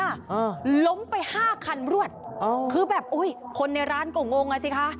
อ่าล้มไปห้าคันรวดอ๋อคือแบบอุ้ยคนในร้านก็งงอ่ะสิคะ